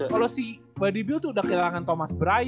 kalau si bradley bill tuh udah kehilangan thomas bryan